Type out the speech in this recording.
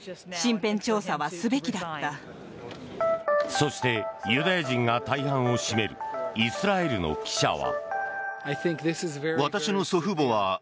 そしてユダヤ人が大半を占めるイスラエルの記者は。